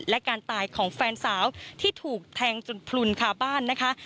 และการตายของแฟนสาวที่ถูกแทงจนพลุนคาบ้านนะคะ